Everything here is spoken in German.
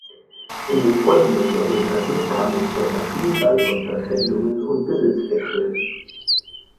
In den folgenden Jahrhunderten kam es zu einer Vielzahl von Verpfändungen und Besitzwechseln.